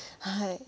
はい。